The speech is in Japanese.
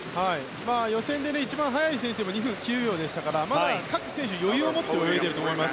予選で一番速い選手でも２分９秒でしたからまだ各選手、余裕を持って泳いでいると思います。